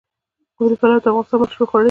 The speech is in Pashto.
قابلي پلو د افغانستان مشهور خواړه دي.